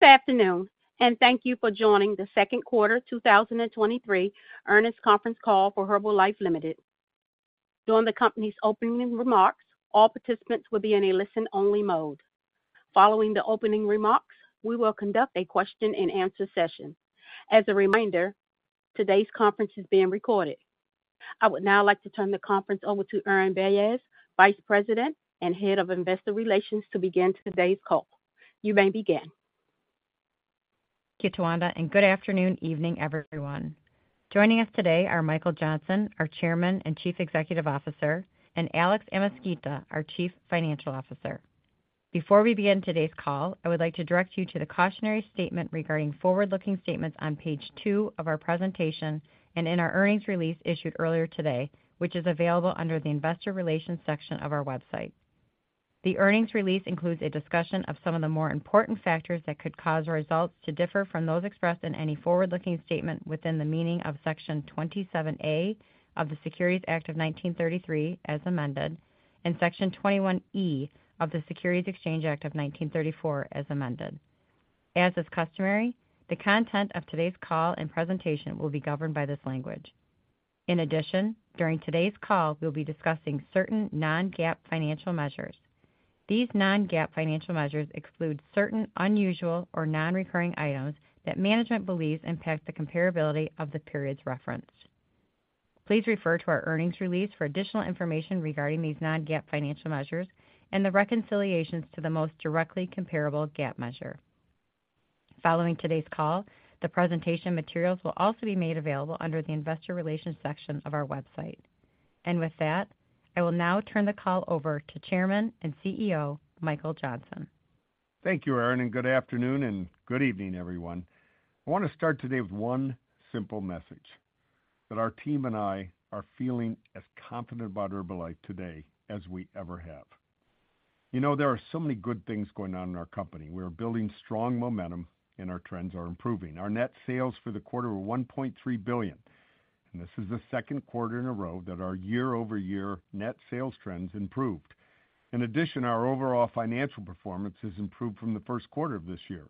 Good afternoon, thank you for joining the second quarter 2023 earnings conference call for Herbalife Limited. During the company's opening remarks, all participants will be in a listen-only mode. Following the opening remarks, we will conduct a question-and-answer session. As a reminder, today's conference is being recorded. I would now like to turn the conference over to Erin Banyas, Vice President and Head of Investor Relations, to begin today's call. You may begin. Thank you, Tawanda. Good afternoon, evening, everyone. Joining us today are Michael Johnson, our Chairman and Chief Executive Officer, and Alex Amezquita, our Chief Financial Officer. Before we begin today's call, I would like to direct you to the cautionary statement regarding forward-looking statements on page two of our presentation and in our earnings release issued earlier today, which is available under the Investor Relations section of our website. The earnings release includes a discussion of some of the more important factors that could cause results to differ from those expressed in any forward-looking statement within the meaning of Section 27A of the Securities Act of 1933, as amended, and Section 21E of the Securities Exchange Act of 1934, as amended. As is customary, the content of today's call and presentation will be governed by this language. In addition, during today's call, we'll be discussing certain non-GAAP financial measures. These non-GAAP financial measures exclude certain unusual or non-recurring items that management believes impact the comparability of the periods referenced. Please refer to our earnings release for additional information regarding these non-GAAP financial measures and the reconciliations to the most directly comparable GAAP measure. Following today's call, the presentation materials will also be made available under the Investor Relations section of our website. With that, I will now turn the call over to Chairman and CEO, Michael Johnson. Thank you, Erin, and good afternoon and good evening, everyone. I want to start today with one simple message: that our team and I are feeling as confident about Herbalife today as we ever have. You know, there are so many good things going on in our company. We are building strong momentum, and our trends are improving. Our net sales for the quarter were $1.3 billion, and this is the second quarter in a row that our year-over-year net sales trends improved. In addition, our overall financial performance has improved from the first quarter of this year.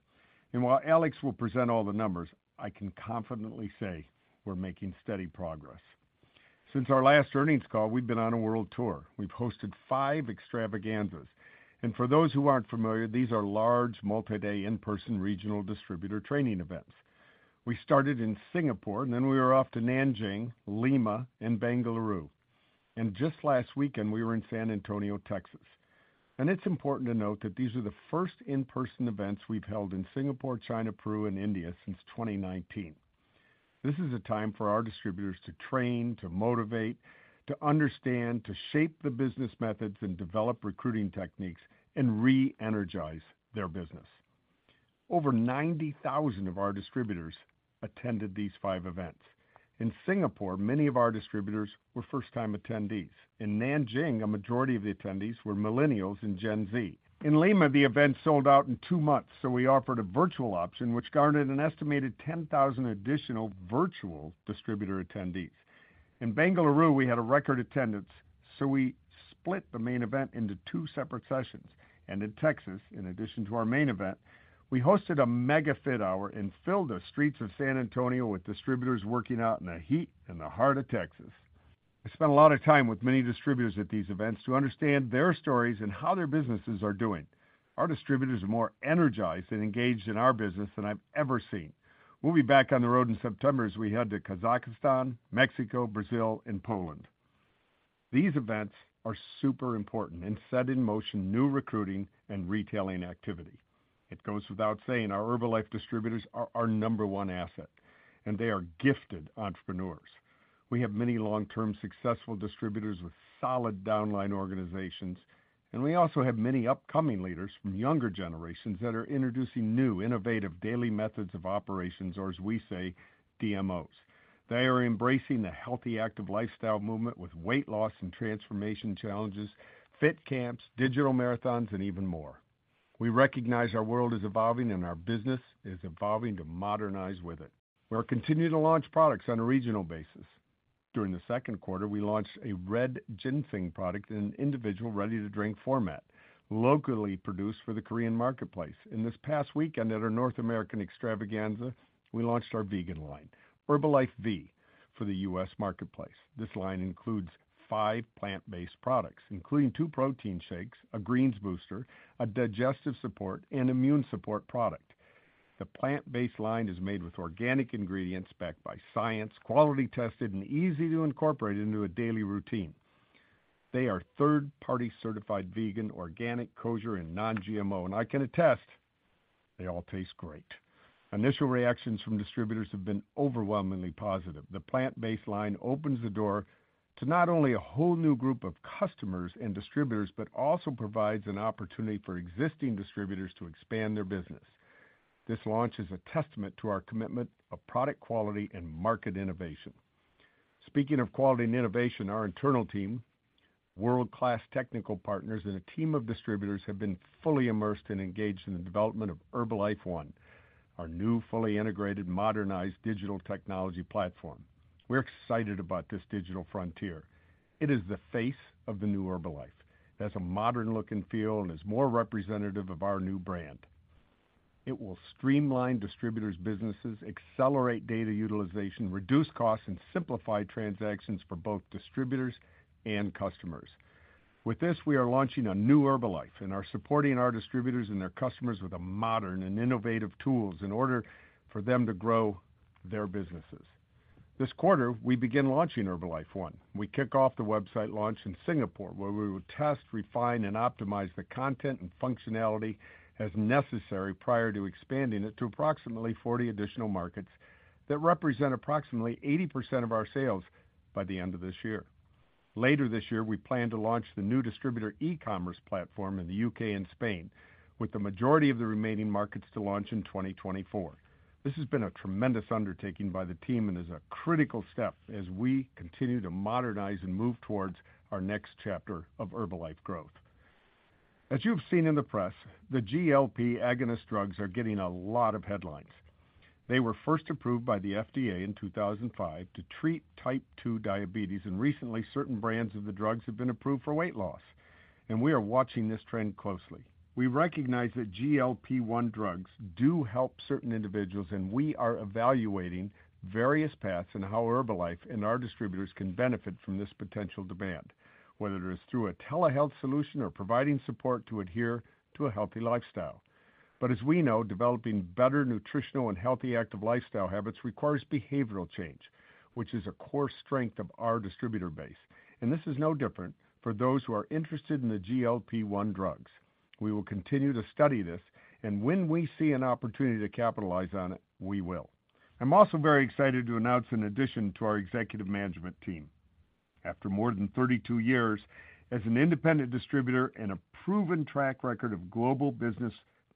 While Alex will present all the numbers, I can confidently say we're making steady progress. Since our last earnings call, we've been on a world tour. We've hosted five Extravaganzas, and for those who aren't familiar, these are large, multi-day, in-person, regional distributor training events. We started in Singapore, then we were off to Nanjing, Lima, and Bengaluru, just last weekend, we were in San Antonio, Texas. It's important to note that these are the first in-person events we've held in Singapore, China, Peru and India since 2019. This is a time for our distributors to train, to motivate, to understand, to shape the business methods and develop recruiting techniques, and re-energize their business. Over 90,000 of our distributors attended these 5 events. In Singapore, many of our distributors were first-time attendees. In Nanjing, a majority of the attendees were Millennials and Gen Z. In Lima, the event sold out in two months, we offered a virtual option, which garnered an estimated 10,000 additional virtual distributor attendees. In Bengaluru, we had a record attendance, we split the main event into two separate sessions. In Texas, in addition to our main event, we hosted a Mega Fit Hour and filled the streets of San Antonio with distributors working out in the heat in the heart of Texas. I spent a lot of time with many distributors at these events to understand their stories and how their businesses are doing. Our distributors are more energized and engaged in our business than I've ever seen. We'll be back on the road in September as we head to Kazakhstan, Mexico, Brazil and Poland. These events are super important and set in motion new recruiting and retailing activity. It goes without saying, our Herbalife distributors are our number one asset, and they are gifted entrepreneurs. We have many long-term, successful distributors with solid downline organizations, and we also have many upcoming leaders from younger generations that are introducing new, innovative daily methods of operations, or as we say, DMOs. They are embracing the Healthy Active Lifestyle movement with weight loss and transformation challenges, fit camps, digital marathons, and even more. We recognize our world is evolving, and our business is evolving to modernize with it. We are continuing to launch products on a regional basis. During the second quarter, we launched a red ginseng product in an individual ready-to-drink format, locally produced for the Korean marketplace. In this past weekend, at our North American Extravaganza, we launched our vegan line, Herbalife V, for the U.S. marketplace. This line includes five plant-based products, including two protein shakes, a greens booster, a digestive support, and immune support product. The plant-based line is made with organic ingredients, backed by science, quality tested, and easy to incorporate into a daily routine. They are third-party certified, vegan, organic, kosher, and non-GMO, and I can attest they all taste great. Initial reactions from distributors have been overwhelmingly positive. The plant-based line opens the door to not only a whole new group of customers and distributors, but also provides an opportunity for existing distributors to expand their business. This launch is a testament to our commitment of product quality and market innovation. Speaking of quality and innovation, our internal team, world-class technical partners, and a team of distributors have been fully immersed and engaged in the development of Herbalife One.... our new, fully integrated, modernized digital technology platform. We're excited about this digital frontier. It is the face of the new Herbalife. It has a modern look and feel and is more representative of our new brand. It will streamline distributors' businesses, accelerate data utilization, reduce costs, and simplify transactions for both distributors and customers. With this, we are launching a new Herbalife and are supporting our distributors and their customers with the modern and innovative tools in order for them to grow their businesses. This quarter, we begin launching Herbalife One. We kick off the website launch in Singapore, where we will test, refine, and optimize the content and functionality as necessary prior to expanding it to approximately 40 additional markets that represent approximately 80% of our sales by the end of this year. Later this year, we plan to launch the new distributor e-commerce platform in the U.K. and Spain, with the majority of the remaining markets to launch in 2024. This has been a tremendous undertaking by the team and is a critical step as we continue to modernize and move towards our next chapter of Herbalife growth. As you've seen in the press, the GLP-1 agonist drugs are getting a lot of headlines. They were first approved by the FDA in 2005 to treat type 2 diabetes. Recently, certain brands of the drugs have been approved for weight loss. We are watching this trend closely. We recognize that GLP-1 drugs do help certain individuals. We are evaluating various paths in how Herbalife and our distributors can benefit from this potential demand, whether it is through a telehealth solution or providing support to adhere to a healthy lifestyle. As we know, developing better nutritional and Healthy Active Lifestyle habits requires behavioral change, which is a core strength of our distributor base, and this is no different for those who are interested in the GLP-1 drugs. We will continue to study this, and when we see an opportunity to capitalize on it, we will. I'm also very excited to announce an addition to our executive management team. After more than 32 years as an independent distributor and a proven track record of global business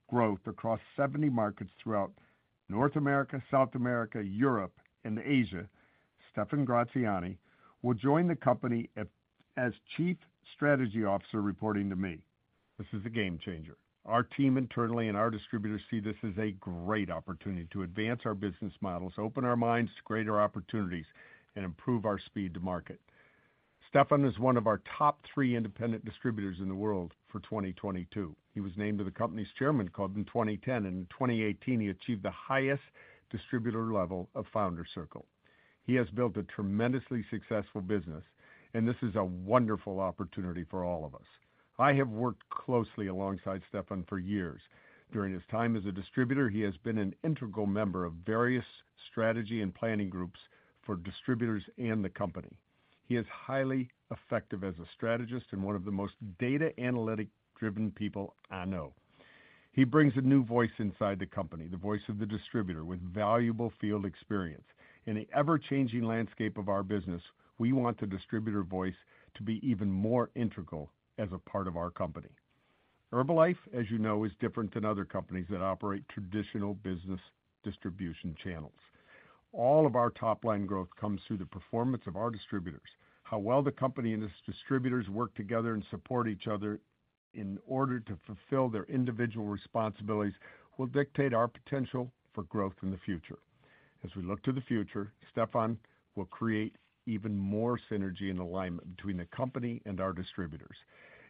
growth across 70 markets throughout North America, South America, Europe, and Asia, Stephan Gratziani will join the company as Chief Strategy Officer, reporting to me. This is a game changer. Our team internally and our distributors see this as a great opportunity to advance our business models, open our minds to greater opportunities, and improve our speed to market. Stephan is one of our top three independent distributors in the world for 2022. He was named to the company's Chairman's Club in 2010, and in 2018, he achieved the highest distributor level of Founder's Circle. He has built a tremendously successful business, and this is a wonderful opportunity for all of us. I have worked closely alongside Stephan for years. During his time as a distributor, he has been an integral member of various strategy and planning groups for distributors and the company. He is highly effective as a strategist and one of the most data analytic-driven people I know. He brings a new voice inside the company, the voice of the distributor, with valuable field experience. In the ever-changing landscape of our business, we want the distributor voice to be even more integral as a part of our company. Herbalife, as you know, is different than other companies that operate traditional business distribution channels. All of our top-line growth comes through the performance of our distributors. How well the company and its distributors work together and support each other in order to fulfill their individual responsibilities will dictate our potential for growth in the future. As we look to the future, Stephan will create even more synergy and alignment between the Company and our distributors.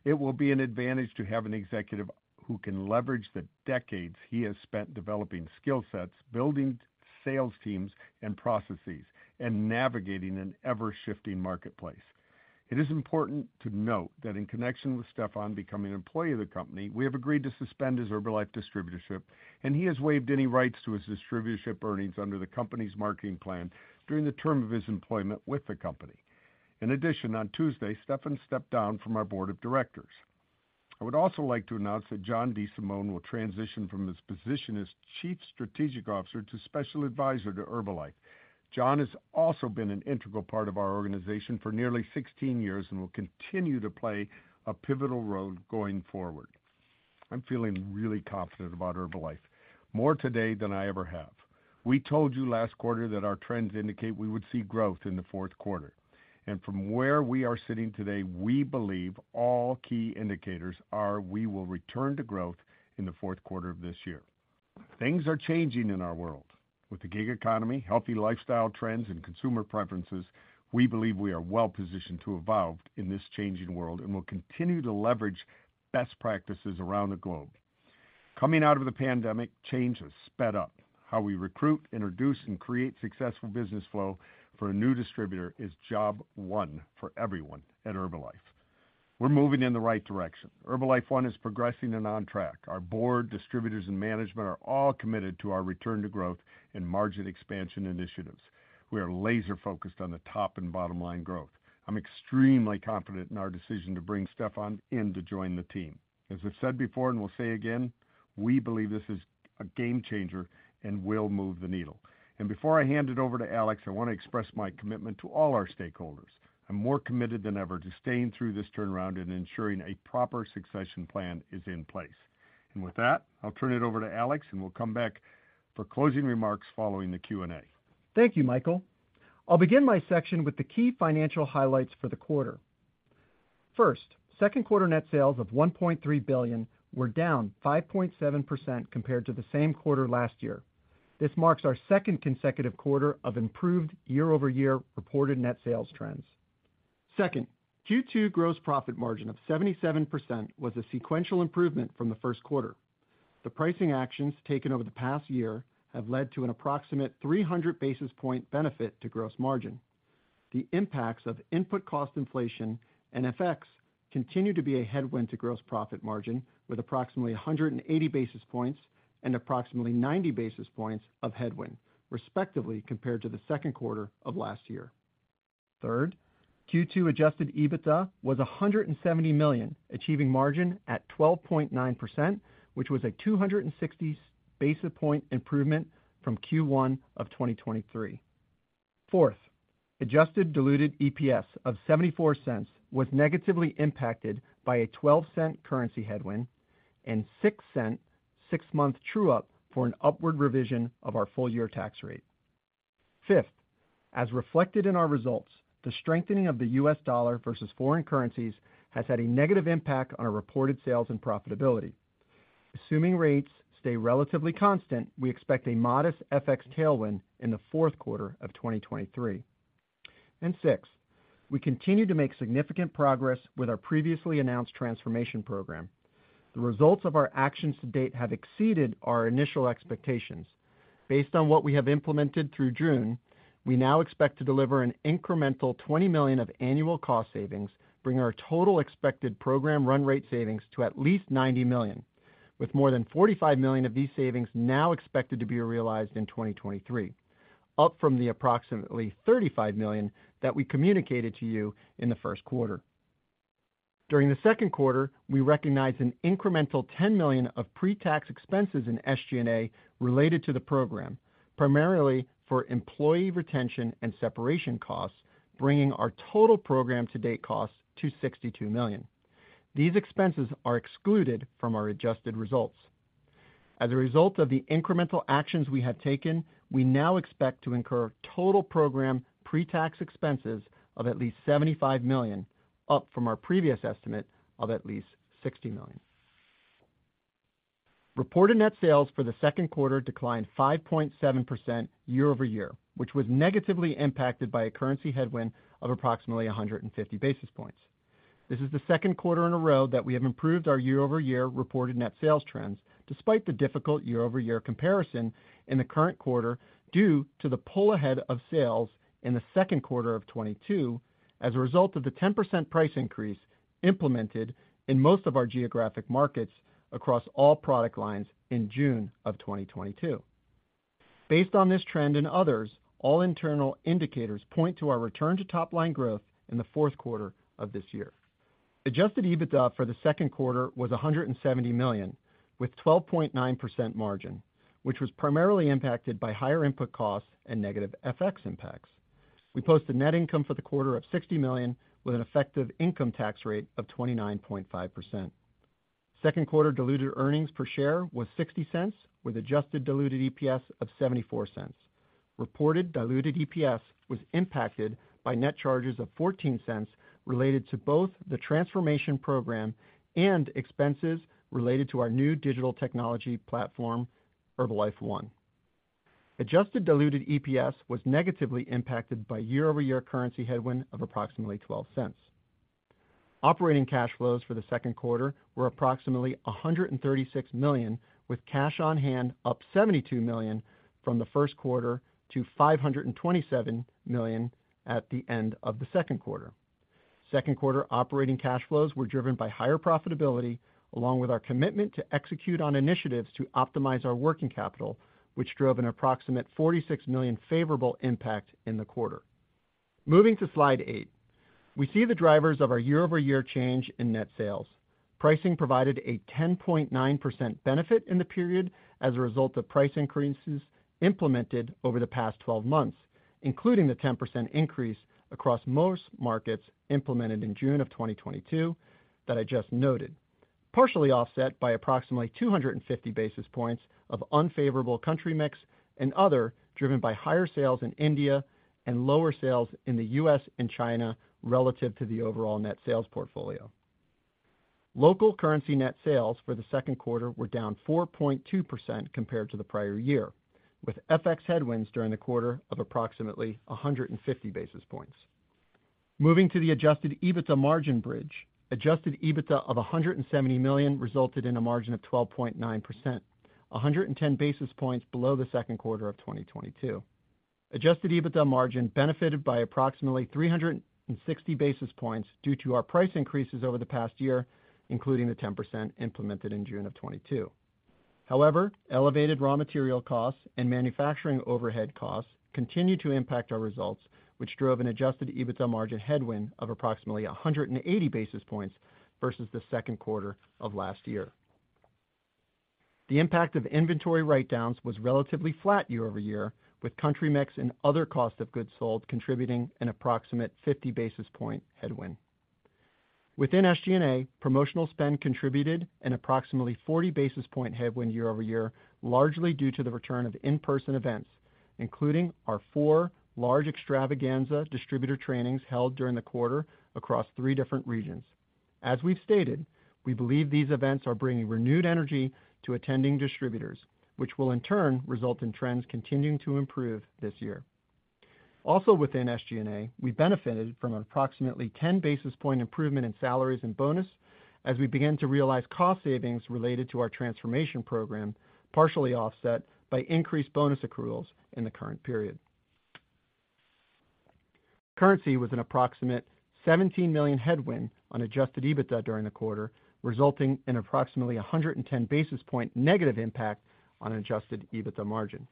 It will be an advantage to have an executive who can leverage the decades he has spent developing skill sets, building sales teams and processes, and navigating an ever-shifting marketplace. It is important to note that in connection with Stephan becoming an employee of the company, we have agreed to suspend his Herbalife distributorship, and he has waived any rights to his distributorship earnings under the company's marketing plan during the term of his employment with the company. In addition, on Tuesday, Stephan stepped down from our Board of Directors. I would also like to announce that John DeSimone will transition from his position as Chief Strategic Officer to Special Advisor to Herbalife. John has also been an integral part of our organization for nearly 16 years and will continue to play a pivotal role going forward. I'm feeling really confident about Herbalife, more today than I ever have. We told you last quarter that our trends indicate we would see growth in the fourth quarter. From where we are sitting today, we believe all key indicators are we will return to growth in the fourth quarter of this year. Things are changing in our world. With the gig economy, healthy lifestyle trends, and consumer preferences, we believe we are well-positioned to evolve in this changing world and will continue to leverage best practices around the globe. Coming out of the pandemic, change has sped up. How we recruit, introduce, and create successful business flow for a new distributor is job one for everyone at Herbalife. We're moving in the right direction. Herbalife One is progressing and on track. Our board, distributors, and management are all committed to our return to growth and margin expansion initiatives. We are laser-focused on the top and bottom line growth. I'm extremely confident in our decision to bring Stephan in to join the team. As I've said before and will say again, we believe this is a game changer and will move the needle. Before I hand it over to Alex, I want to express my commitment to all our stakeholders. I'm more committed than ever to staying through this turnaround and ensuring a proper succession plan is in place. With that, I'll turn it over to Alex, and we'll come back for closing remarks following the Q&A. Thank you, Michael. I'll begin my section with the key financial highlights for the quarter. First, second quarter net sales of $1.3 billion were down 5.7% compared to the same quarter last year. This marks our second consecutive quarter of improved year-over-year reported net sales trends. Second, Q2 gross profit margin of 77% was a sequential improvement from the first quarter. The pricing actions taken over the past year have led to an approximate 300 basis point benefit to gross margin. The impacts of input cost inflation and FX continue to be a headwind to gross profit margin, with approximately 180 basis points and approximately 90 basis points of headwind, respectively, compared to the second quarter of last year. Third, Q2 adjusted EBITDA was $170 million, achieving margin at 12.9%, which was a 260 basis point improvement from Q1 of 2023. Fourth, adjusted diluted EPS of $0.74 was negatively impacted by a $0.12 currency headwind and $0.06, six-month true up for an upward revision of our full-year tax rate. Fifth, as reflected in our results, the strengthening of the U.S. dollar versus foreign currencies has had a negative impact on our reported sales and profitability. Assuming rates stay relatively constant, we expect a modest FX tailwind in the fourth quarter of 2023. Sixth, we continue to make significant progress with our previously announced Transformation Program. The results of our actions to date have exceeded our initial expectations. Based on what we have implemented through June, we now expect to deliver an incremental $20 million of annual cost savings, bringing our total expected program run rate savings to at least $90 million, with more than $45 million of these savings now expected to be realized in 2023, up from the approximately $35 million that we communicated to you in the first quarter. During the second quarter, we recognized an incremental $10 million of pre-tax expenses in SG&A related to the program, primarily for employee retention and separation costs, bringing our total program to date costs to $62 million. These expenses are excluded from our adjusted results. As a result of the incremental actions we have taken, we now expect to incur total program pre-tax expenses of at least $75 million, up from our previous estimate of at least $60 million. Reported net sales for the second quarter declined 5.7% year-over-year, which was negatively impacted by a currency headwind of approximately 150 basis points. This is the second quarter in a row that we have improved our year-over-year reported net sales trends, despite the difficult year-over-year comparison in the current quarter, due to the pull ahead of sales in the second quarter of 2022, as a result of the 10% price increase implemented in most of our geographic markets across all product lines in June of 2022. Based on this trend and others, all internal indicators point to our return to top-line growth in the fourth quarter of this year. Adjusted EBITDA for the second quarter was $170 million, with 12.9% margin, which was primarily impacted by higher input costs and negative FX impacts. We posted net income for the quarter of $60 million, with an effective income tax rate of 29.5%. Second quarter diluted earnings per share was $0.60, with adjusted diluted EPS of $0.74. Reported diluted EPS was impacted by net charges of $0.14 related to both the Transformation Program and expenses related to our new digital technology platform, Herbalife One. Adjusted diluted EPS was negatively impacted by year-over-year currency headwind of approximately $0.12. Operating cash flows for the second quarter were approximately $136 million, with cash on hand up $72 million from the first quarter to $527 million at the end of the second quarter. Second quarter operating cash flows were driven by higher profitability, along with our commitment to execute on initiatives to optimize our working capital, which drove an approximate $46 million favorable impact in the quarter. Moving to slide eight. We see the drivers of our year-over-year change in net sales. Pricing provided a 10.9% benefit in the period as a result of price increases implemented over the past 12 months, including the 10% increase across most markets implemented in June 2022 that I just noted. Partially offset by approximately 250 basis points of unfavorable country mix and other, driven by higher sales in India and lower sales in the U.S. and China relative to the overall net sales portfolio. Local currency net sales for the second quarter were down 4.2% compared to the prior year, with FX headwinds during the quarter of approximately 150 basis points. Moving to the adjusted EBITDA margin bridge. Adjusted EBITDA of $170 million resulted in a margin of 12.9%, 110 basis points below the second quarter of 2022. Adjusted EBITDA margin benefited by approximately 360 basis points due to our price increases over the past year, including the 10% implemented in June of 2022. However, elevated raw material costs and manufacturing overhead costs continued to impact our results, which drove an adjusted EBITDA margin headwind of approximately 180 basis points versus the second quarter of last year. The impact of inventory write-downs was relatively flat year-over-year, with country mix and other cost of goods sold contributing an approximate 50 basis point headwind. Within SG&A, promotional spend contributed an approximately 40 basis point headwind year-over-year, largely due to the return of in-person events, including our four large Extravaganza distributor trainings held during the quarter across three different regions. As we've stated, we believe these events are bringing renewed energy to attending distributors, which will in turn result in trends continuing to improve this year. Also, within SG&A, we benefited from an approximately 10 basis point improvement in salaries and bonus as we begin to realize cost savings related to our Transformation Program, partially offset by increased bonus accruals in the current period. Currency was an approximate $17 million headwind on adjusted EBITDA during the quarter, resulting in approximately 110 basis point negative impact on adjusted EBITDA margin.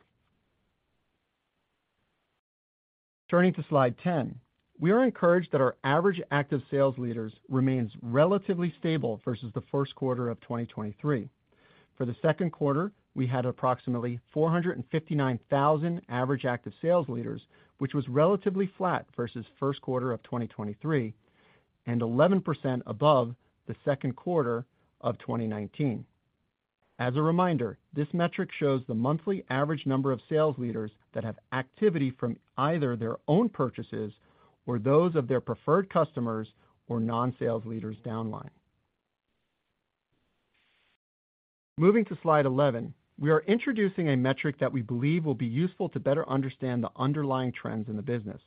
Turning to slide 10. We are encouraged that our average active sales leaders remains relatively stable versus the first quarter of 2023. For the second quarter, we had approximately 459,000 average active sales leaders, which was relatively flat versus first quarter of 2023 and 11% above the second quarter of 2019. As a reminder, this metric shows the monthly average number of sales leaders that have activity from either their own purchases or those of their Preferred Customers or non-sales leaders downline. Moving to slide 11. We are introducing a metric that we believe will be useful to better understand the underlying trends in the business.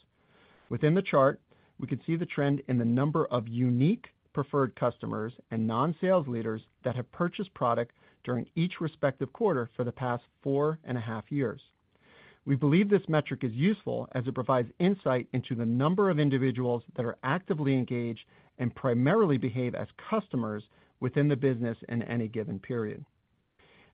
Within the chart, we can see the trend in the number of unique Preferred Customers and non-sales leaders that have purchased product during each respective quarter for the past 4.5 years. We believe this metric is useful as it provides insight into the number of individuals that are actively engaged and primarily behave as customers within the business in any given period.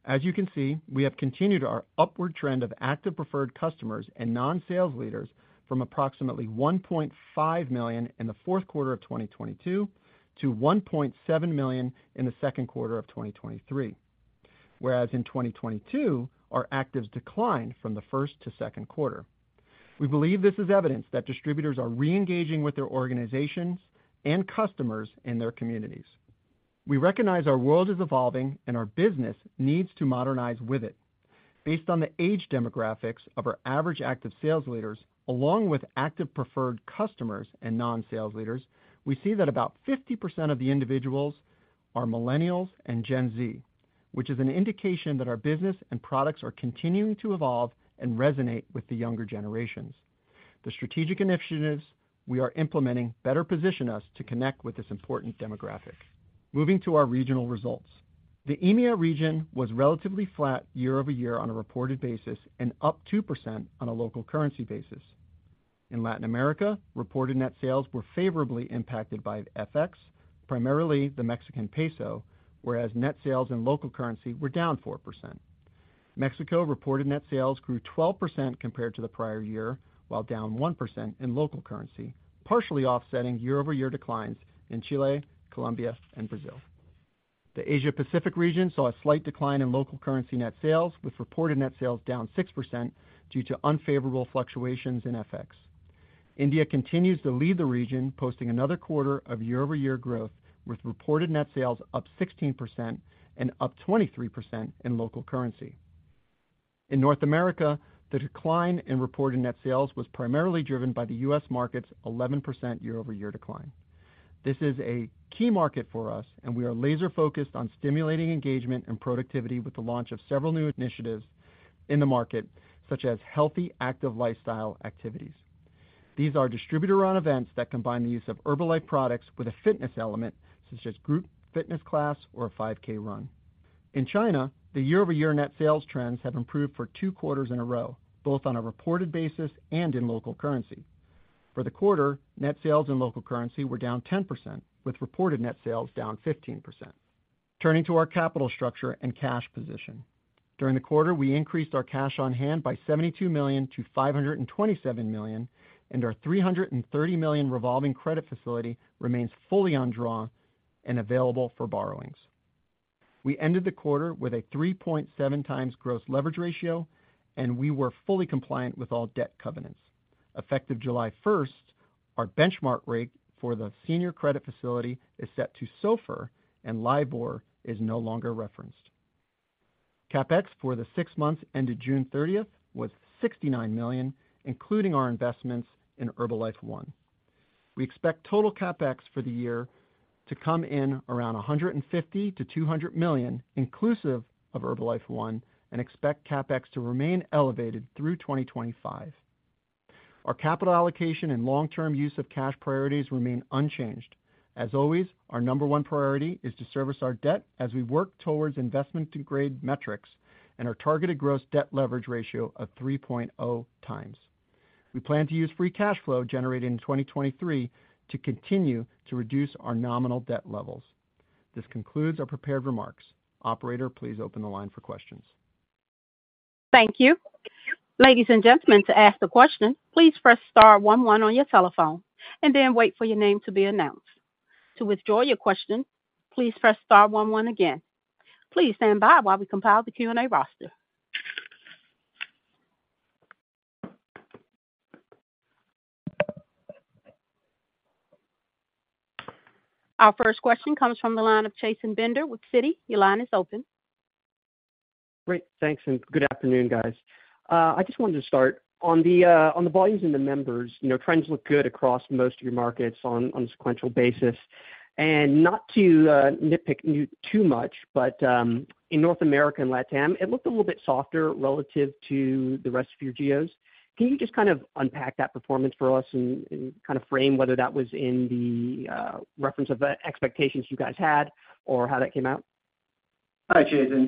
As you can see, we have continued our upward trend of active Preferred Customers and non-sales leaders from approximately 1.5 million in the fourth quarter of 2022 to 1.7 million in the second quarter of 2023, whereas in 2022, our actives declined from the first to second quarter. We believe this is evidence that distributors are reengaging with their organizations and customers in their communities. We recognize our world is evolving and our business needs to modernize with it. Based on the age demographics of our average active sales leaders, along with active Preferred Customers and non-sales leaders, we see that about 50% of the individuals are Millennials and Gen Z, which is an indication that our business and products are continuing to evolve and resonate with the younger generations. The strategic initiatives we are implementing better position us to connect with this important demographic. Moving to our regional results. The EMEA region was relatively flat year-over-year on a reported basis, and up 2% on a local currency basis. In Latin America, reported net sales were favorably impacted by FX, primarily the Mexican peso, whereas net sales and local currency were down 4%. Mexico reported net sales grew 12% compared to the prior year, while down 1% in local currency, partially offsetting year-over-year declines in Chile, Colombia and Brazil. The Asia Pacific region saw a slight decline in local currency net sales, with reported net sales down 6% due to unfavorable fluctuations in FX. India continues to lead the region, posting another quarter of year-over-year growth, with reported net sales up 16% and up 23% in local currency. In North America, the decline in reported net sales was primarily driven by the U.S. market's 11% year-over-year decline. This is a key market for us, and we are laser focused on stimulating engagement and productivity with the launch of several new initiatives in the market, such as Healthy Active Lifestyle activities. These are distributor-run events that combine the use of Herbalife products with a fitness element, such as group fitness class or a 5K run. In China, the year-over-year net sales trends have improved for two quarters in a row, both on a reported basis and in local currency. For the quarter, net sales and local currency were down 10%, with reported net sales down 15%. Turning to our capital structure and cash position. During the quarter, we increased our cash on hand by $72 million to $527 million, and our $330 million revolving credit facility remains fully on draw and available for borrowings. We ended the quarter with a 3.7x gross leverage ratio, and we were fully compliant with all debt covenants. Effective July 1st, our benchmark rate for the senior credit facility is set to SOFR, and LIBOR is no longer referenced. CapEx for the six months ended June 30th was $69 million, including our investments in Herbalife One. We expect total CapEx for the year to come in around $150 million-$200 million, inclusive of Herbalife One, and expect CapEx to remain elevated through 2025. Our capital allocation and long-term use of cash priorities remain unchanged. As always, our number one priority is to service our debt as we work towards investment-grade metrics and our targeted gross debt leverage ratio of 3.0x. We plan to use free cash flow generated in 2023 to continue to reduce our nominal debt levels. This concludes our prepared remarks. Operator, please open the line for questions. Thank you. Ladies and gentlemen, to ask a question, please press star one one on your telephone and then wait for your name to be announced. To withdraw your question, please press star one one again. Please stand by while we compile the Q&A roster. Our first question comes from the line of Chasen Bender with Citi. Your line is open. Great, thanks, and good afternoon, guys. I just wanted to start on the volumes in the members. You know, trends look good across most of your markets on a sequential basis. Not to nitpick you too much, but in North America and LatAm, it looked a little bit softer relative to the rest of your geos. Can you just kind of unpack that performance for us and kind of frame whether that was in the reference of the expectations you guys had or how that came out? Hi, Chasen.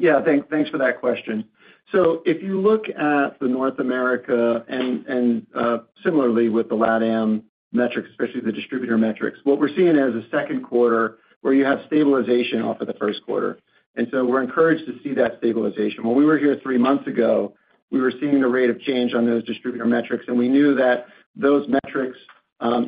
Thanks for that question. If you look at the North America and similarly with the LatAm metrics, especially the distributor metrics, what we're seeing is a second quarter where you have stabilization off of the first quarter, so we're encouraged to see that stabilization. When we were here three months ago, we were seeing the rate of change on those distributor metrics, and we knew that those metrics,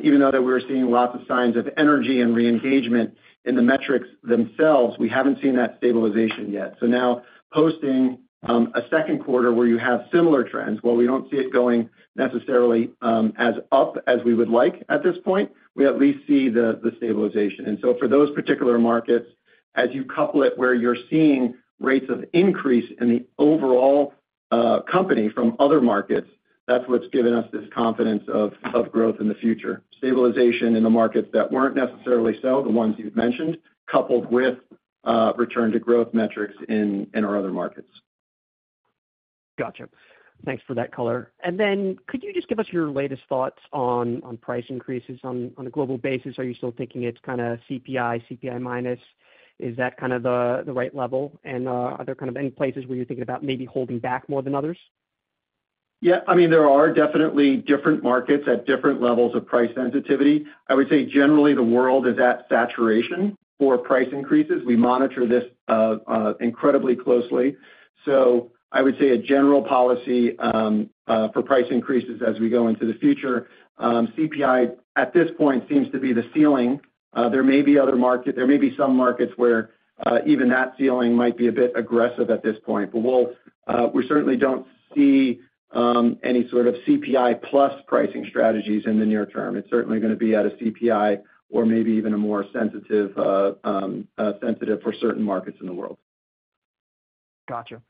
even though that we were seeing lots of signs of energy and reengagement in the metrics themselves, we haven't seen that stabilization yet. Now posting a second quarter where you have similar trends, while we don't see it going necessarily as up as we would like at this point, we at least see the stabilization. For those particular markets, as you couple it where you're seeing rates of increase in the overall company from other markets, that's what's given us this confidence of growth in the future. Stabilization in the markets that weren't necessarily so, the ones you've mentioned, coupled with return to growth metrics in our other markets. Gotcha. Thanks for that color. Then could you just give us your latest thoughts on, on price increases on, on a global basis? Are you still thinking it's kind of CPI, CPI minus? Is that kind of the, the right level? Are there kind of any places where you're thinking about maybe holding back more than others? Yeah, I mean, there are definitely different markets at different levels of price sensitivity. I would say generally the world is at saturation for price increases. We monitor this incredibly closely. I would say a general policy for price increases as we go into the future, CPI at this point, seems to be the ceiling. There may be some markets where even that ceiling might be a bit aggressive at this point. We'll, we certainly don't see any sort of CPI plus pricing strategies in the near term. It's certainly gonna be at a CPI or maybe even a more sensitive, sensitive for certain markets in the world. Gotcha.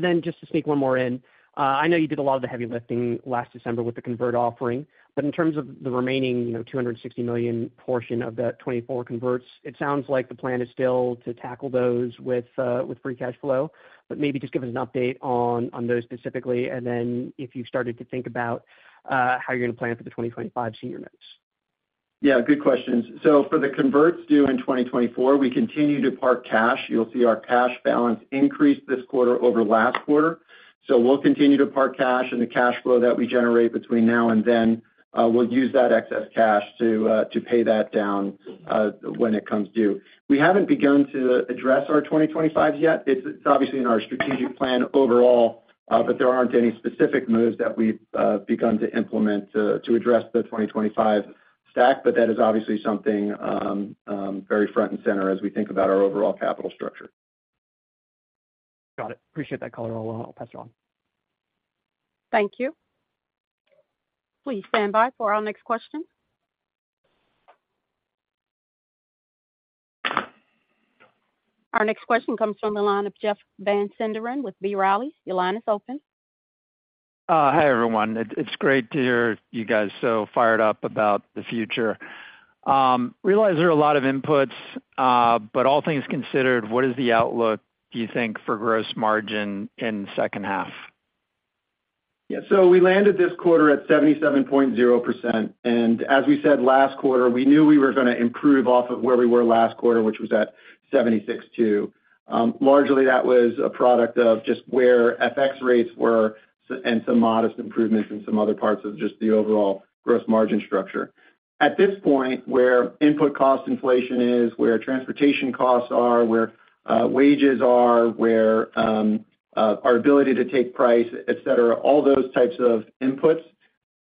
Then just to sneak one more in. I know you did a lot of the heavy lifting last December with the convert offering, but in terms of the remaining, you know, $260 million portion of that 2024 converts, it sounds like the plan is still to tackle those with, with free cash flow. Maybe just give us an update on, on those specifically, and then if you've started to think about, how you're gonna plan for the 2025 senior notes? Yeah, good questions. For the converts due in 2024, we continue to park cash. You'll see our cash balance increase this quarter over last quarter. We'll continue to park cash, and the cash flow that we generate between now and then, we'll use that excess cash to pay that down when it comes due. We haven't begun to address our 2025s yet. It's, it's obviously in our strategic plan overall, but there aren't any specific moves that we've begun to implement to address the 2025 stack. That is obviously something very front and center as we think about our overall capital structure. Got it. Appreciate that color. I'll, I'll pass it on. Thank you. Please stand by for our next question. Our next question comes from the line of Jeff Van Sinderen with B. Riley. Your line is open. Hi, everyone. It's great to hear you guys so fired up about the future. Realize there are a lot of inputs, but all things considered, what is the outlook, do you think, for gross margin in second half? We landed this quarter at 77.0%. As we said last quarter, we knew we were gonna improve off of where we were last quarter, which was at 76.2%. Largely that was a product of just where FX rates were and some modest improvements in some other parts of just the overall gross margin structure. At this point, where input cost inflation is, where transportation costs are, where wages are, where our ability to take price, et cetera, all those types of inputs,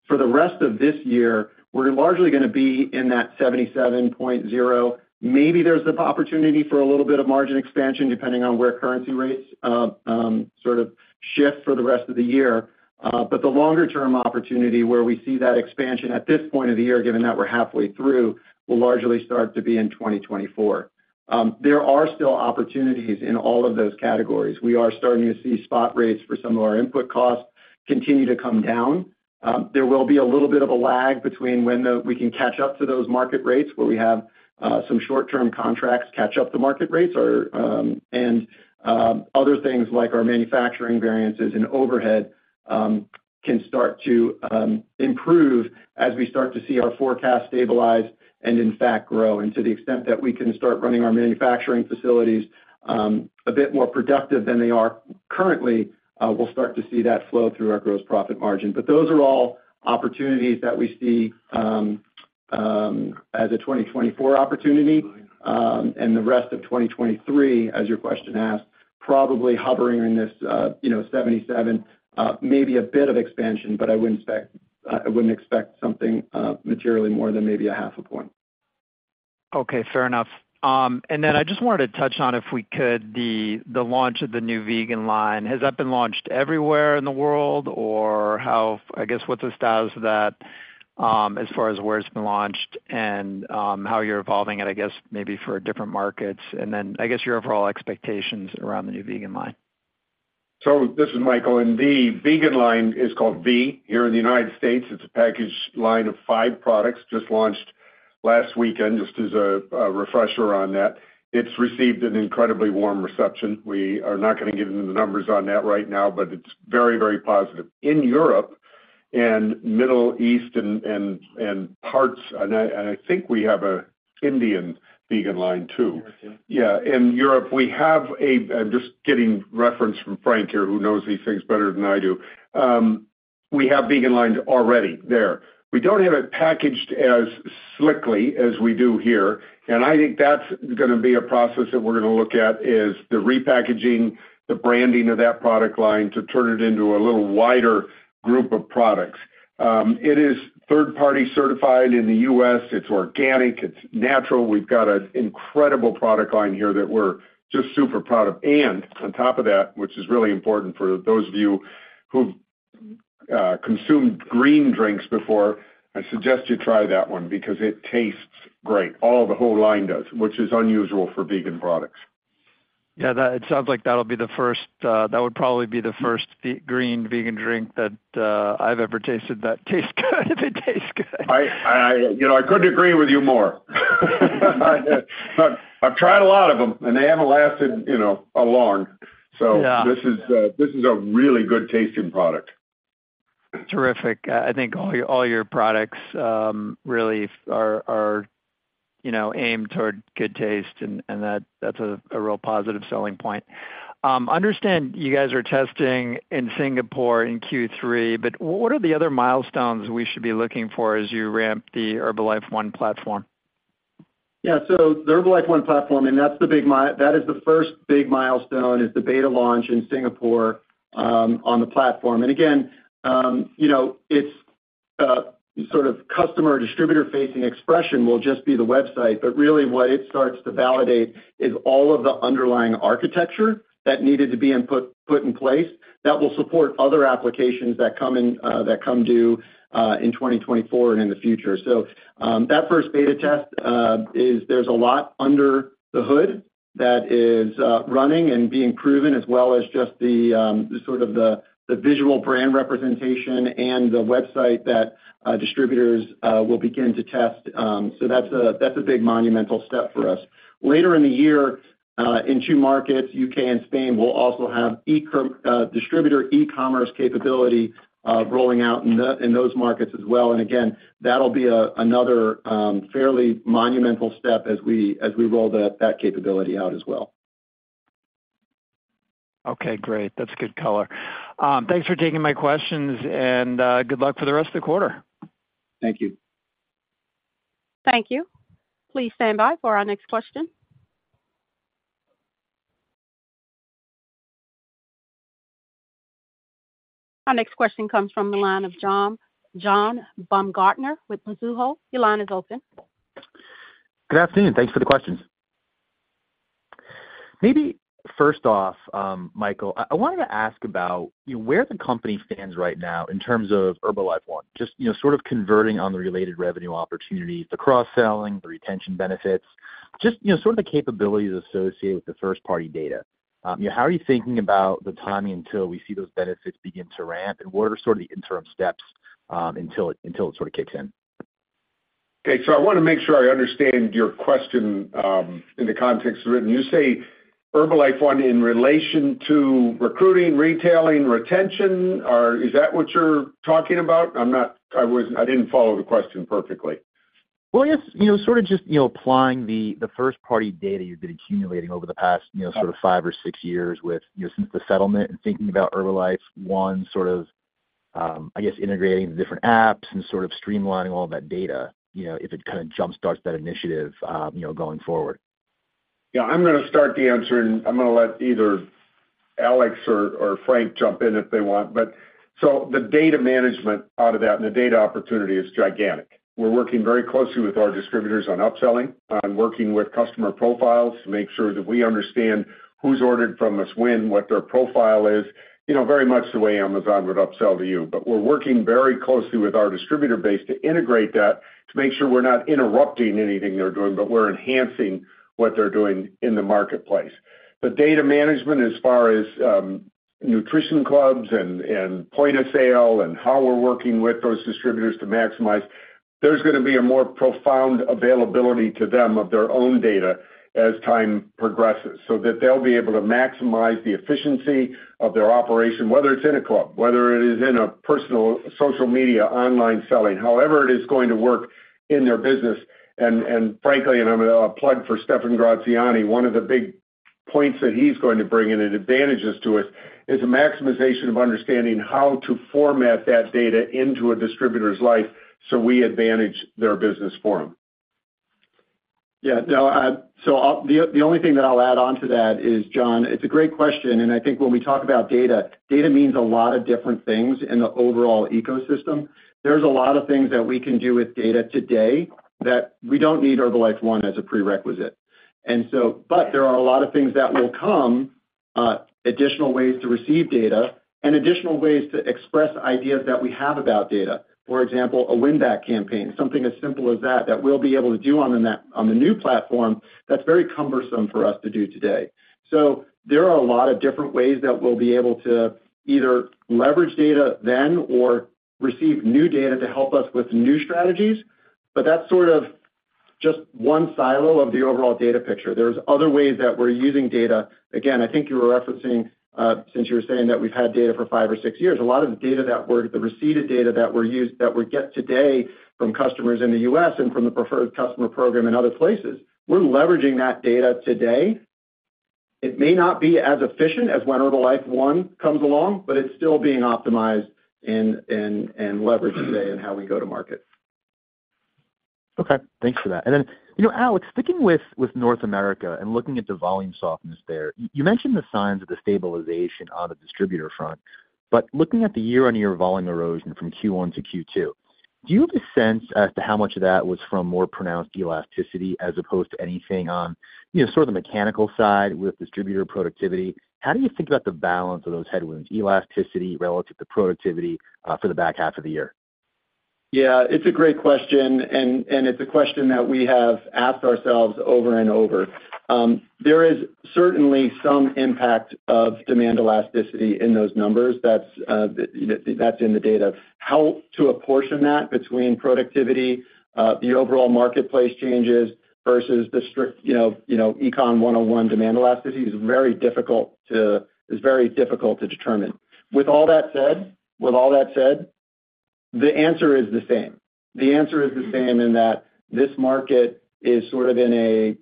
for the rest of this year, we're largely gonna be in that 77.0%. Maybe there's the opportunity for a little bit of margin expansion, depending on where currency rates sort of shift for the rest of the year. The longer term opportunity where we see that expansion at this point of the year, given that we're halfway through, will largely start to be in 2024. There are still opportunities in all of those categories. We are starting to see spot rates for some of our input costs continue to come down. There will be a little bit of a lag between when we can catch up to those market rates, where we have, some short-term contracts catch up to market rates or, and, other things like our manufacturing variances and overhead, can start to, improve as we start to see our forecast stabilize and in fact, grow. To the extent that we can start running our manufacturing facilities, a bit more productive than they are currently, we'll start to see that flow through our gross profit margin. Those are all opportunities that we see, as a 2024 opportunity. The rest of 2023, as your question asked, probably hovering in this, you know, 77%, maybe a bit of expansion, but I wouldn't expect, I wouldn't expect something materially more than maybe 0.5 percentage points. Okay. Fair enough. I just wanted to touch on, if we could, the, the launch of the new vegan line. Has that been launched everywhere in the world, or how... I guess, what's the status of that?... as far as where it's been launched and, how you're evolving it, I guess, maybe for different markets, and then I guess your overall expectations around the new vegan line. This is Michael, and the vegan line is called V. Here in the United States, it's a packaged line of five products, just launched last weekend, just as a refresher on that. It's received an incredibly warm reception. We are not gonna get into the numbers on that right now, but it's very, very positive. In Europe and Middle East and parts. I think we have a Indian vegan line, too. Yeah. Yeah, in Europe, we have a I'm just getting reference from Frank here, who knows these things better than I do. We have vegan lines already there. We don't have it packaged as slickly as we do here, and I think that's gonna be a process that we're gonna look at, is the repackaging, the branding of that product line to turn it into a little wider group of products. It is third-party certified in the U.S. It's organic, it's natural. We've got an incredible product line here that we're just super proud of. On top of that, which is really important for those of you who've consumed green drinks before, I suggest you try that one because it tastes great. All, the whole line does, which is unusual for vegan products. Yeah, that... It sounds like that'll be the first, that would probably be the first green vegan drink that I've ever tasted that tastes good. It tastes good. I, I, you know, I couldn't agree with you more. I've tried a lot of them, and they haven't lasted, you know, long. Yeah. This is, this is a really good-tasting product. Terrific. I, I think all your, all your products, really are, are, you know, aimed toward good taste, and, and that, that's a, a real positive selling point. Understand you guys are testing in Singapore in Q3, what are the other milestones we should be looking for as you ramp the Herbalife One platform? The Herbalife One platform, that is the first big milestone, is the beta launch in Singapore on the platform. Again, you know, its sort of customer, distributor-facing expression will just be the website, but really what it starts to validate is all of the underlying architecture that needed to be input, put in place that will support other applications that come in that come due in 2024 and in the future. That first beta test is there's a lot under the hood that is running and being proven, as well as just the sort of the visual brand representation and the website that distributors will begin to test. That's a, that's a big monumental step for us. Later in the year, in two markets, U.K. and Spain, we'll also have distributor e-commerce capability, rolling out in the, in those markets as well. Again, that'll be a, another, fairly monumental step as we, as we roll that, that capability out as well. Okay, great. That's good color. Thanks for taking my questions, and good luck for the rest of the quarter. Thank you. Thank you. Please stand by for our next question. Our next question comes from the line of John Baumgartner with Mizuho. Your line is open. Good afternoon. Thanks for the questions. Maybe first off, Michael, I, I wanted to ask about, you know, where the company stands right now in terms of Herbalife One, just, you know, sort of converting on the related revenue opportunities, the cross-selling, the retention benefits, just, you know, sort of the capabilities associated with the first-party data. You know, how are you thinking about the timing until we see those benefits begin to ramp, and what are sort of the interim steps, until it, until it sort of kicks in? Okay, I wanna make sure I understand your question in the context written. You say Herbalife One in relation to recruiting, retailing, retention, or is that what you're talking about? I didn't follow the question perfectly. Well, yes, you know, sort of just, you know, applying the, the first-party data you've been accumulating over the past, you know, sort of five or six years with, you know, since the settlement and thinking about Herbalife One, sort of, I guess, integrating the different apps and sort of streamlining all that data, you know, if it kind of jumpstarts that initiative, you know, going forward. Yeah, I'm gonna start the answer, and I'm gonna let either Alex or Frank jump in if they want. The data management out of that and the data opportunity is gigantic. We're working very closely with our distributors on upselling, on working with customer profiles to make sure that we understand who's ordered from us when, what their profile is, you know, very much the way Amazon would upsell to you. We're working very closely with our distributor base to integrate that, to make sure we're not interrupting anything they're doing, but we're enhancing what they're doing in the marketplace. Data management, as far as nutrition clubs and point-of-sale and how we're working with those distributors to maximize, there's gonna be a more profound availability to them of their own data as time progresses, so that they'll be able to maximize the efficiency of their operation, whether it's in a club, whether it is in a personal, social media, online selling, however it is going to work in their business. Frankly, and I'm gonna plug for Stephan Gratziani, one of the big points that he's going to bring in, and advantages to us, is a maximization of understanding how to format that data into a distributor's life, so we advantage their business for them. Yeah, no, the only thing that I'll add on to that is, John, it's a great question, and I think when we talk about data, data means a lot of different things in the overall ecosystem. There's a lot of things that we can do with data today that we don't need Herbalife One as a prerequisite. There are a lot of things that will come-... additional ways to receive data and additional ways to express ideas that we have about data. For example, a win-back campaign, something as simple as that, that we'll be able to do on the new platform, that's very cumbersome for us to do today. There are a lot of different ways that we'll be able to either leverage data then or receive new data to help us with new strategies, but that's sort of just one silo of the overall data picture. There's other ways that we're using data. Again, I think you were referencing, since you were saying that we've had data for five or six years, a lot of the receipted data that we get today from customers in the U.S. and from the Preferred Customers program in other places, we're leveraging that data today. It may not be as efficient as when Herbalife One comes along, but it's still being optimized and, and, and leveraged today in how we go to market. Okay, thanks for that. Then, you know, Alex, sticking with, with North America and looking at the volume softness there, you mentioned the signs of the stabilization on the distributor front. But looking at the year-on-year volume erosion from Q1 to Q2, do you have a sense as to how much of that was from more pronounced elasticity as opposed to anything on, you know, sort of the mechanical side with distributor productivity? How do you think about the balance of those headwinds, elasticity relative to productivity, for the back half of the year? Yeah, it's a great question, and, and it's a question that we have asked ourselves over and over. There is certainly some impact of demand elasticity in those numbers. That's, that's in the data. How to apportion that between productivity, the overall marketplace changes versus the strict, you know, you know, econ 101 demand elasticity is very difficult to, is very difficult to determine. With all that said, with all that said, the answer is the same. The answer is the same in that this market is sort of in a,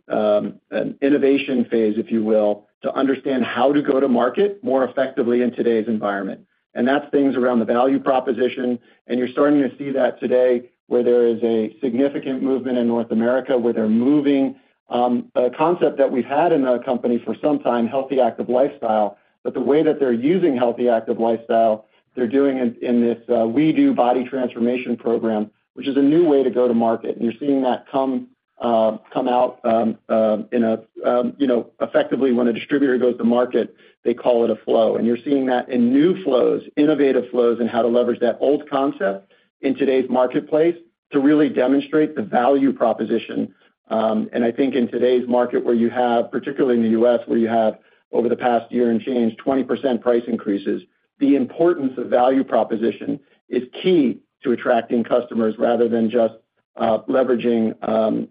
an innovation phase, if you will, to understand how to go to market more effectively in today's environment. That's things around the value proposition, and you're starting to see that today, where there is a significant movement in North America, where they're moving a concept that we've had in our company for some time, Healthy Active Lifestyle. The way that they're using Healthy Active Lifestyle, they're doing it in this WeDoTransformations body transformation program, which is a new way to go to market. You're seeing that come come out, in a, you know, effectively, when a distributor goes to market, they call it a flow. You're seeing that in new flows, innovative flows, and how to leverage that old concept in today's marketplace to really demonstrate the value proposition. I think in today's market, where you have, particularly in the U.S., where you have over the past year and change, 20% price increases, the importance of value proposition is key to attracting customers rather than just leveraging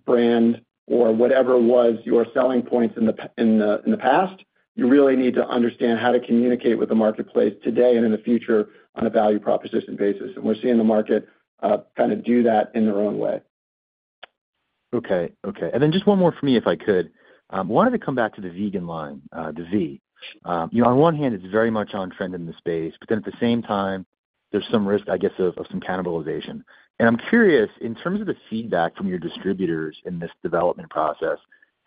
brand or whatever was your selling points in the past. You really need to understand how to communicate with the marketplace today and in the future on a value proposition basis. We're seeing the market kind of do that in their own way. Okay, okay. Then just one more for me, if I could. I wanted to come back to the vegan line, the V. You know, on one hand, it's very much on trend in the space, but then at the same time, there's some risk, I guess, of, of some cannibalization. I'm curious, in terms of the feedback from your distributors in this development process,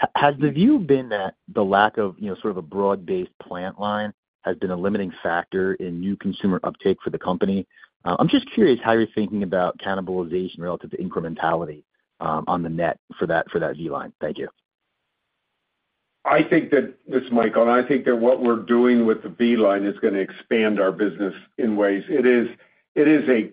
h-has the view been that the lack of, you know, sort of a broad-based plant line has been a limiting factor in new consumer uptake for the company? I'm just curious how you're thinking about cannibalization relative to incrementality, on the net for that, for that V line. Thank you. I think that. This is Michael, and I think that what we're doing with the V line is going to expand our business in ways. It is, it is a,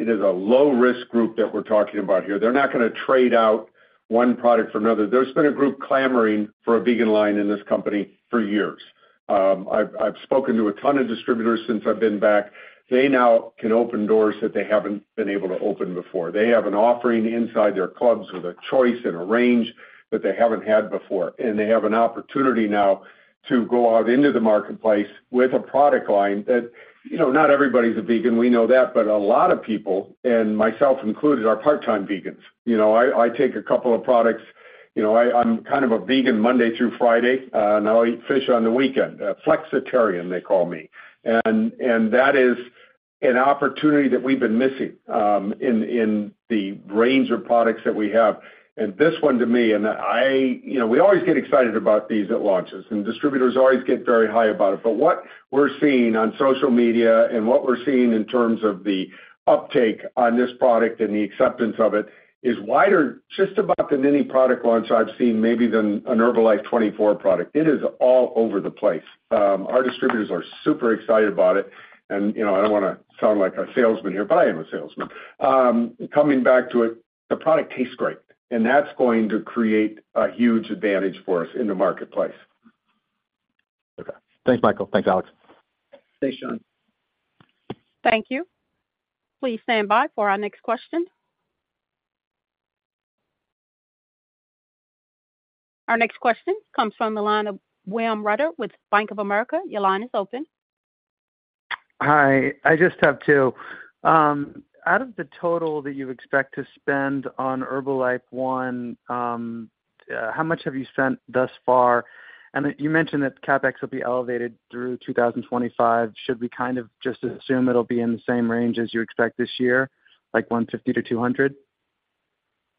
it is a low-risk group that we're talking about here. They're not going to trade out one product for another. There's been a group clamoring for a vegan line in this company for years. I've, I've spoken to a ton of distributors since I've been back. They now can open doors that they haven't been able to open before. They have an offering inside their clubs with a choice and a range that they haven't had before. They have an opportunity now to go out into the marketplace with a product line that, you know, not everybody's a vegan, we know that, but a lot of people, and myself included, are part-time vegans. You know, I, I take a couple of products. You know, I, I'm kind of a vegan Monday through Friday, and I'll eat fish on the weekend. A flexitarian, they call me. That is an opportunity that we've been missing in, in the range of products that we have. This one to me, and I... You know, we always get excited about these at launches, and distributors always get very high about it. What we're seeing on social media and what we're seeing in terms of the uptake on this product and the acceptance of it, is wider just about than any product launch I've seen, maybe than a Herbalife24 product. It is all over the place. Our distributors are super excited about it. You know, I don't want to sound like a salesman here, but I am a salesman. Coming back to it, the product tastes great, and that's going to create a huge advantage for us in the marketplace. Okay. Thanks, Michael. Thanks, Alex. Thanks, Sean. Thank you. Please stand by for our next question. Our next question comes from the line of William Reuter with Bank of America. Your line is open. Hi, I just have two. Out of the total that you expect to spend on Herbalife One, how much have you spent thus far? You mentioned that CapEx will be elevated through 2025. Should we kind of just assume it'll be in the same range as you expect this year, like $150 million-$200 million?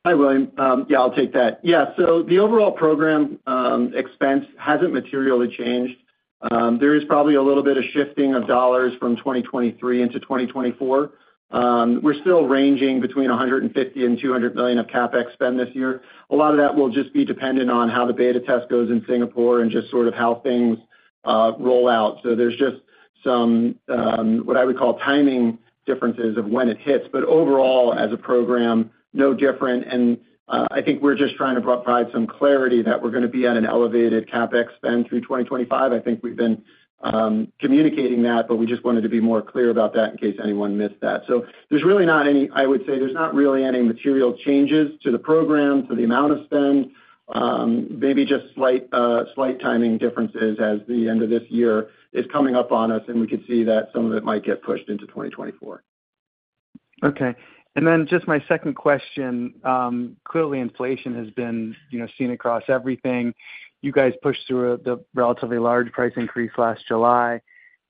Hi, William. Yeah, I'll take that. The overall program expense hasn't materially changed. There is probably a little bit of shifting of dollars from 2023 into 2024. We're still ranging between $150 million-$200 million of CapEx spend this year. A lot of that will just be dependent on how the beta test goes in Singapore and just sort of how things roll out. There's just some, what I would call timing differences of when it hits, but overall, as a program, no different. I think we're just trying to provide some clarity that we're gonna be at an elevated CapEx spend through 2025. I think we've been communicating that, but we just wanted to be more clear about that in case anyone missed that. There's really not any-- I would say there's not really any material changes to the program, to the amount of spend. Maybe just slight slight timing differences as the end of this year is coming up on us, and we could see that some of it might get pushed into 2024. Okay. Then just my second question. Clearly, inflation has been, you know, seen across everything. You guys pushed through a, the relatively large price increase last July.